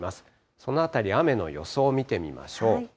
そのあたり、雨の予想を見てみましょう。